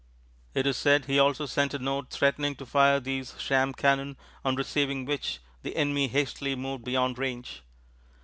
It is said he also sent a note threatening to fire these sham cannon, on receiving which the enemy hastily moved beyond range.